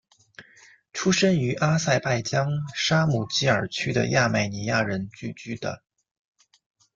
出生于阿塞拜疆沙姆基尔区的亚美尼亚人聚居的。